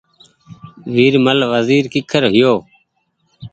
ويرمل وزيرڪيکرهيو